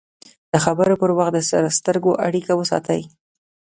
د خبرو پر وخت د سترګو اړیکه وساتئ